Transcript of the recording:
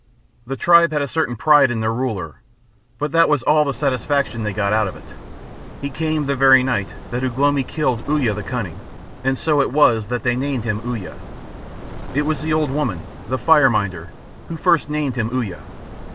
The tribe had a certain pride in their ruler, but that was all the satisfaction they got out of it. He came the very night that Ugh lomi killed Uya the Cunning, and so it was they named him Uya. It was the old woman, the fire minder, who first named him Uya.